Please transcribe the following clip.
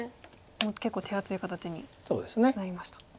もう結構手厚い形になりました。